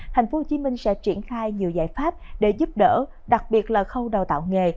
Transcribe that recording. tp hcm sẽ triển khai nhiều giải pháp để giúp đỡ đặc biệt là khâu đào tạo nghề